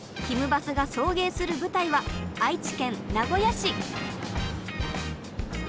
バスが送迎する舞台は愛知県名古屋市。